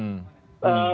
kami berkeyakinan hmm